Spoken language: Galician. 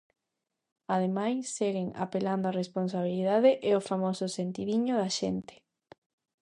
Ademais, seguen "apelando a responsabilidade e o famoso sentidiño da xente".